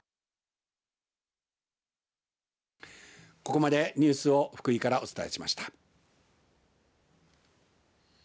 ここまでニュースを福井からお伝えしました。